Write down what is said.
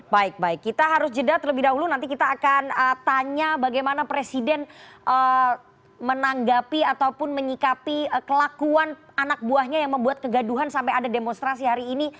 baik baik kita harus jeda terlebih dahulu nanti kita akan tanya bagaimana presiden menanggapi ataupun menyikapi kelakuan anak buahnya yang membuat kegaduhan sampai ada demonstrasi hari ini